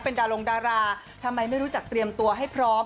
เป็นดารงดาราทำไมไม่รู้จักเตรียมตัวให้พร้อม